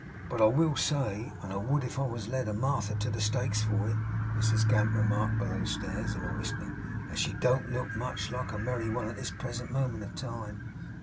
'But I will say, and I would if I was led a Martha to the Stakes for it,' Mrs Gamp remarked below stairs, in a whisper, 'that she don't look much like a merry one at this present moment of time.